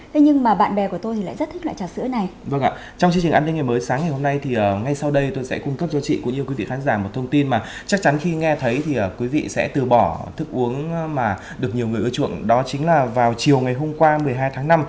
được nhiều người ưa chuộng đó chính là vào chiều ngày hôm qua một mươi hai tháng năm